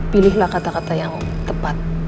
pilihlah kata kata yang tepat